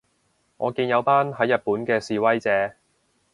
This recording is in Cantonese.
我見有班喺日本嘅示威者